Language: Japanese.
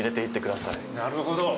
なるほど。